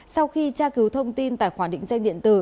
sau khi tra cứu thông tin tài khoản định danh điện tử